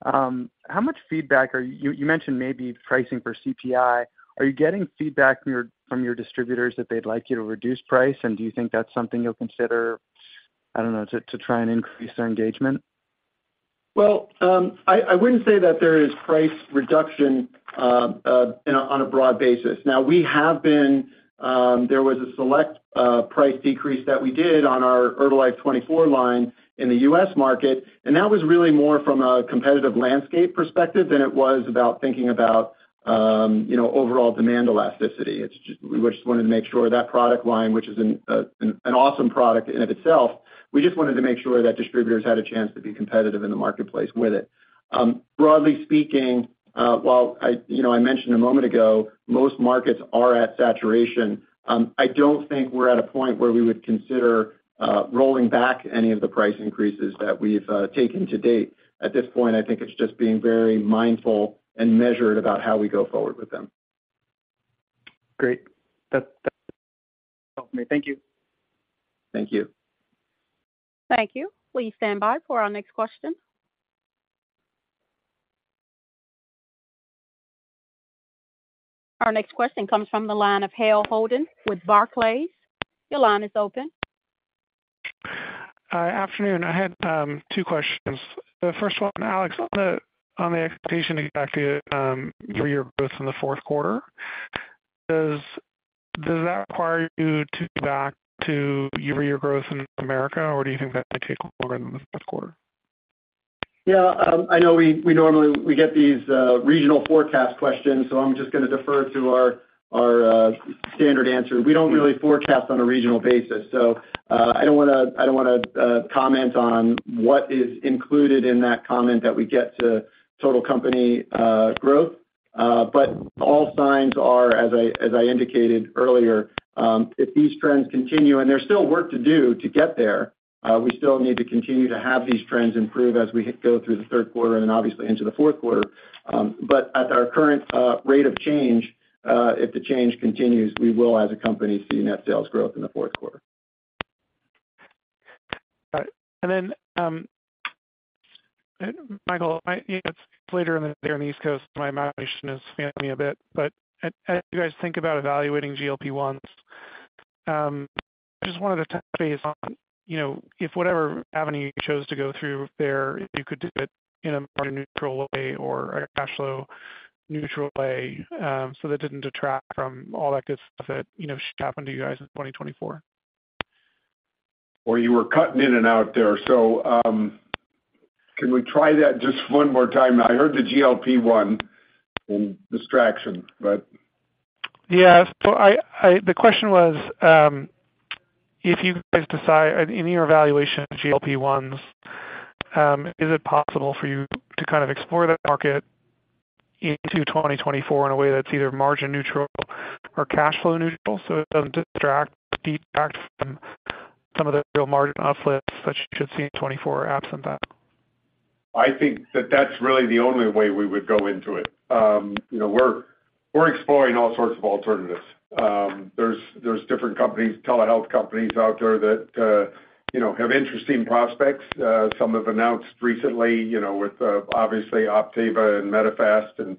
How much feedback you, you mentioned maybe pricing for CPI. Are you getting feedback from your, from your distributors that they'd like you to reduce price? Do you think that's something you'll consider, I don't know, to, to try and increase their engagement? Well, I wouldn't say that there is price reduction on a broad basis. We have been. There was a select price decrease that we did on our Herbalife24 line in the U.S. market, and that was really more from a competitive landscape perspective than it was about thinking about, you know, overall demand elasticity. It's just, we just wanted to make sure that product line, which is an awesome product in of itself, we just wanted to make sure that distributors had a chance to be competitive in the marketplace with it. Broadly speaking, while I, you know, I mentioned a moment ago, most markets are at saturation, I don't think we're at a point where we would consider rolling back any of the price increases that we've taken to date. At this point, I think it's just being very mindful and measured about how we go forward with them. Great. That, that's helped me. Thank you. Thank you. Thank you. Please stand by for our next question. Our next question comes from the line of Hale Holden with Barclays. Your line is open. Afternoon. I had two questions. The first one, Alex, on the expectation to get back to year-over-year growth in the fourth quarter, does that require you to be back to year-over-year growth in America, or do you think that may take longer than the fourth quarter? Yeah, I know we, we normally, we get these regional forecast questions, so I'm just gonna defer to our standard answer. We don't really forecast on a regional basis, so I don't wanna, I don't wanna comment on what is included in that comment that we get to total company growth. All signs are, as I, as I indicated earlier, if these trends continue, and there's still work to do to get there, we still need to continue to have these trends improve as we go through the third quarter and obviously into the fourth quarter. At our current rate of change, if the change continues, we will, as a company, see net sales growth in the fourth quarter. All right. Michael, I, it's later in the day on the East Coast, so my imagination is failing me a bit. As you guys think about evaluating GLP-1s, I just wanted to touch base on, you know, if whatever avenue you chose to go through there, if you could do it in a neutral way or a cash flow neutral way, so that didn't detract from all that good stuff that, you know, should happen to you guys in 2024. You were cutting in and out there. Can we try that just one more time? I heard the GLP-1 and distraction, but. Yeah, so I, the question was, if you guys decide, in your evaluation of GLP-1s, is it possible for you to kind of explore that market into 2024 in a way that's either margin neutral or cash flow neutral, so it doesn't distract, detract from some of the real margin uplifts that you should see in 2024 absent that? I think that that's really the only way we would go into it. You know, we're, we're exploring all sorts of alternatives. There's, there's different companies, telehealth companies out there that, you know, have interesting prospects. Some have announced recently, you know, with, obviously, Optavia and Medifast, and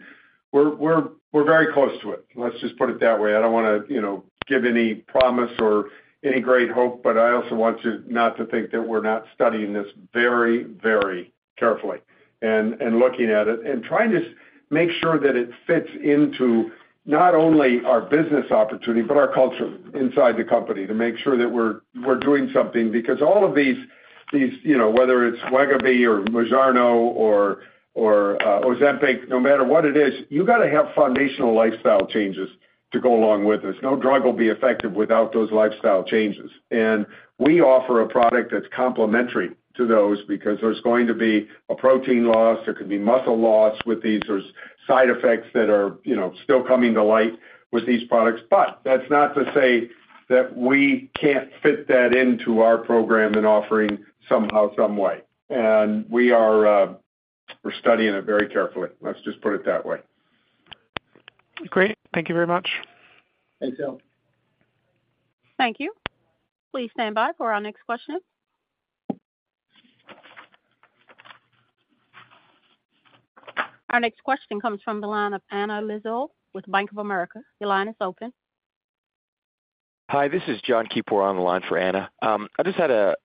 we're, we're, we're very close to it. Let's just put it that way. I don't wanna, you know, give any promise or any great hope, but I also want you not to think that we're not studying this very, very carefully and, and looking at it and trying to make sure that it fits into not only our business opportunity, but our culture inside the company, to make sure that we're, we're doing something. All of these, these, you know, whether it's Wegovy or Mounjaro or, or, Ozempic, no matter what it is, you've got to have foundational lifestyle changes to go along with this. No drug will be effective without those lifestyle changes. We offer a product that's complementary to those because there's going to be a protein loss, there could be muscle loss with these. There's side effects that are, you know, still coming to light with these products. That's not to say that we can't fit that into our program and offering somehow, some way. We are, we're studying it very carefully. Let's just put it that way. Great. Thank you very much. Thanks, Hale. Thank you. Please stand by for our next question. Our next question comes from the line of Anna Lizzul with Bank of America. Your line is open. Hi, this is Jonathan Keypour on the line for Anna. I just had a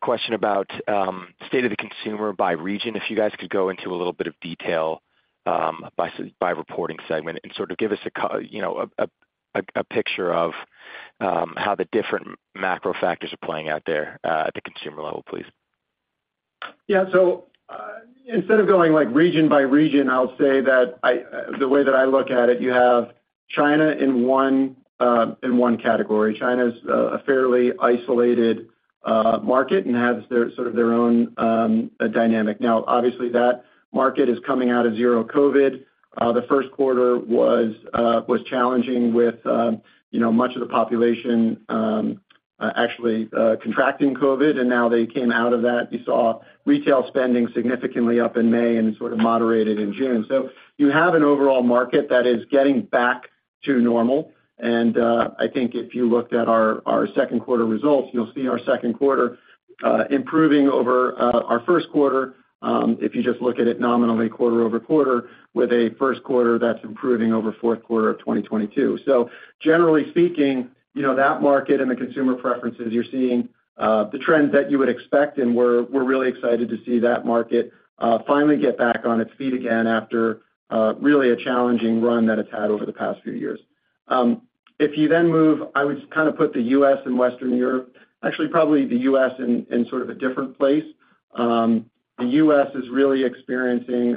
question about state of the consumer by region. If you guys could go into a little bit of detail by reporting segment and sort of give us you know, a picture of how the different macro factors are playing out there at the consumer level, please. Yeah. Instead of going, like, region by region, I'll say that I, the way that I look at it, you have China in one, in one category. China's a fairly isolated market and has their, sort of their own, dynamic. Obviously, that market is coming out of zero COVID. The first quarter was challenging with, you know, much of the population, actually, contracting COVID, and now they came out of that. You saw retail spending significantly up in May and sort of moderated in June. You have an overall market that is getting back to normal, I think if you looked at our 2nd quarter results, you'll see our 2nd quarter improving over our 1st quarter, if you just look at it nominally quarter-over-quarter, with a 1st quarter that's improving over 4th quarter of 2022. Generally speaking, you know, that market and the consumer preferences, you're seeing the trends that you would expect, and we're, we're really excited to see that market finally get back on its feet again after really a challenging run that it's had over the past few years. If you then move, I would kind of put the U.S. and Western Europe, actually, probably the U.S. in, in sort of a different place. The U.S. is really experiencing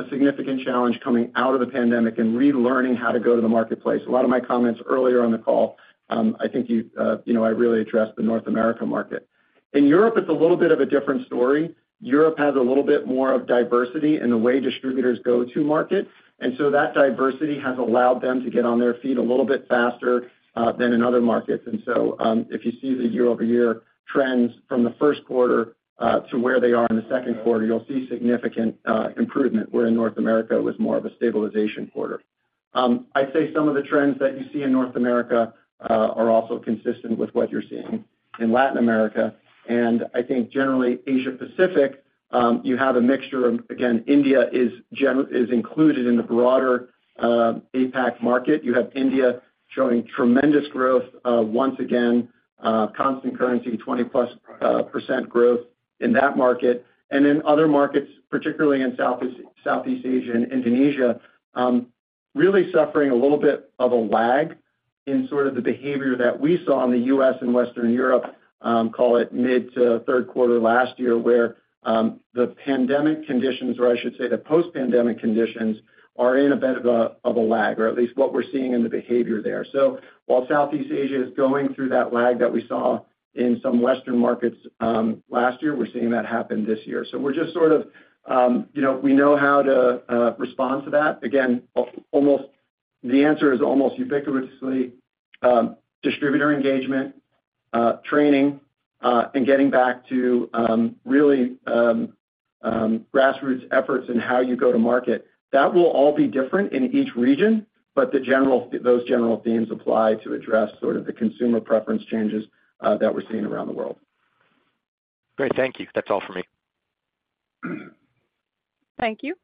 a significant challenge coming out of the pandemic and relearning how to go to the marketplace. A lot of my comments earlier on the call, I think you, you know, I really addressed the North America market. In Europe, it's a little bit of a different story. Europe has a little bit more of diversity in the way distributors go to market, that diversity has allowed them to get on their feet a little bit faster than in other markets. If you see the year-over-year trends from the first quarter to where they are in the second quarter, you'll see significant improvement, where in North America, it was more of a stabilization quarter. I'd say some of the trends that you see in North America are also consistent with what you're seeing in Latin America, and I think generally, Asia Pacific. You have a mixture of... Again, India is included in the broader APAC market. You have India showing tremendous growth once again, constant currency, 20%+ growth in that market. Other markets, particularly in Southeast Asia and Indonesia, really suffering a little bit of a lag in sort of the behavior that we saw in the U.S. and Western Europe, call it mid to 3rd quarter last year, where the pandemic conditions, or I should say the post-pandemic conditions, are in a bit of a lag, or at least what we're seeing in the behavior there. While Southeast Asia is going through that lag that we saw in some Western markets, last year, we're seeing that happen this year. We're just sort of, you know, we know how to respond to that. Again, almost, the answer is almost ubiquitously, distributor engagement, training, and getting back to really grassroots efforts in how you go to market. That will all be different in each region, but the general, those general themes apply to address sort of the consumer preference changes that we're seeing around the world. Great. Thank you. That's all for me. Thank you.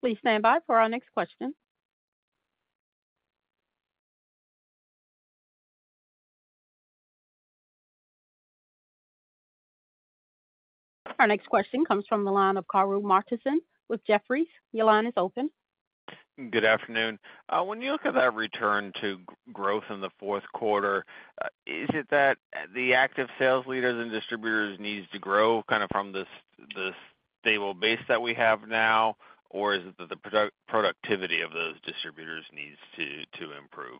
Please stand by for our next question. Our next question comes from the line of Karru Martinson with Jefferies. Your line is open. Good afternoon. When you look at that return to growth in the fourth quarter, is it that the active sales leaders and distributors needs to grow kind of from this stable base that we have now? Or is it that the productivity of those distributors needs to improve?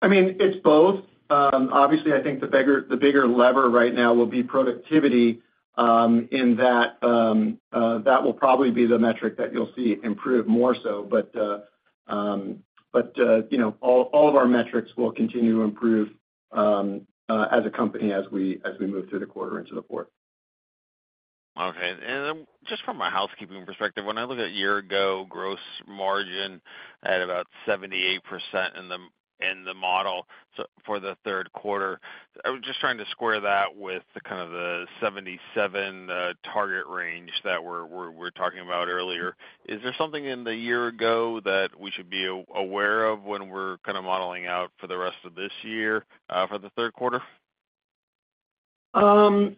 I mean, it's both. Obviously, I think the bigger, the bigger lever right now will be productivity, in that, that will probably be the metric that you'll see improve more so. You know, all, all of our metrics will continue to improve, as a company, as we, as we move through the quarter into the fourth. Okay. Just from a housekeeping perspective, when I look at year-ago gross margin at about 78% in the model, so for the third quarter, I was just trying to square that with the kind of the 77% target range that we're talking about earlier. Is there something in the year ago that we should be aware of when we're kind of modeling out for the rest of this year for the third quarter? I,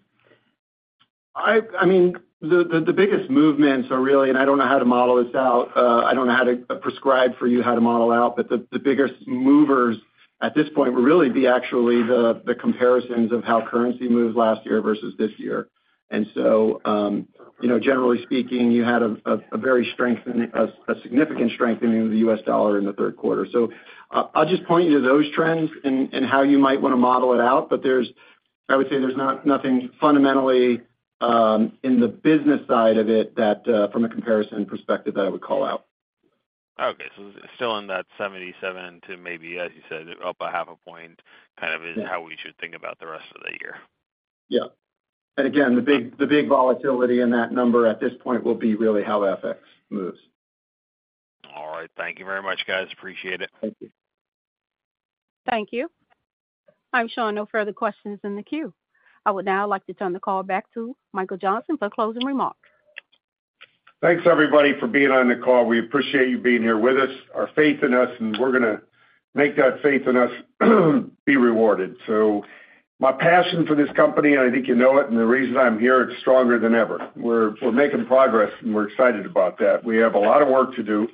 I mean, the, the, the biggest movements are really, and I don't know how to model this out, I don't know how to prescribe for you how to model out, but the, the biggest movers at this point would really be actually the, the comparisons of how currency moved last year versus this year. You know, generally speaking, you had a, a very strengthening, a, a significant strengthening of the U.S. dollar in the third quarter. I, I'll just point you to those trends and, and how you might want to model it out. I would say there's nothing fundamentally in the business side of it that, from a comparison perspective, that I would call out. Okay. still in that 77% to maybe, as you said, up a half a point, kind of is how we should think about the rest of the year. Yeah. Again, the big, the big volatility in that number at this point will be really how FX moves. All right. Thank you very much, guys. Appreciate it. Thank you. Thank you. I'm showing no further questions in the queue. I would now like to turn the call back to Michael Johnson for closing remarks. Thanks, everybody, for being on the call. We appreciate you being here with us, our faith in us, and we're gonna make that faith in us be rewarded. My passion for this company, and I think you know it, and the reason I'm here, it's stronger than ever. We're making progress, and we're excited about that. We have a lot of work to do,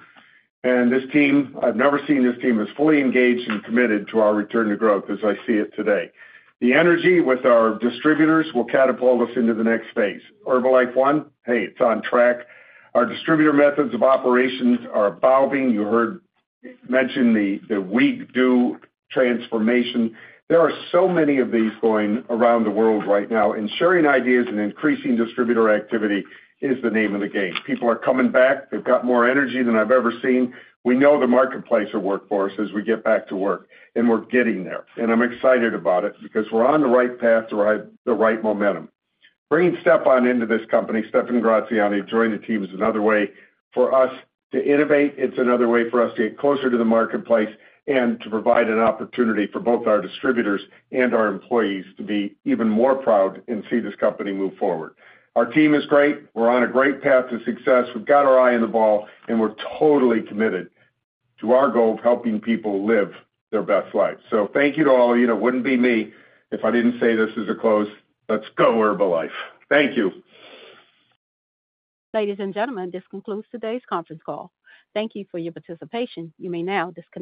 and this team, I've never seen this team as fully engaged and committed to our return to growth as I see it today. The energy with our distributors will catapult us into the next phase. Herbalife One, hey, it's on track. Our distributor methods of operations are evolving. You heard mentioned the WeDoTransformations. There are so many of these going around the world right now, and sharing ideas and increasing distributor activity is the name of the game. People are coming back. They've got more energy than I've ever seen. We know the marketplace will work for us as we get back to work, and we're getting there, and I'm excited about it because we're on the right path, the right, the right momentum. Bringing Steph on into this company, Stephan Gratziani, to join the team, is another way for us to innovate. It's another way for us to get closer to the marketplace and to provide an opportunity for both our distributors and our employees to be even more proud and see this company move forward. Our team is great. We're on a great path to success. We've got our eye on the ball, and we're totally committed to our goal of helping people live their best lives. Thank you to all of you. It wouldn't be me if I didn't say this as a close: Let's go, Herbalife! Thank you. Ladies and gentlemen, this concludes today's conference call. Thank you for your participation. You may now disconnect.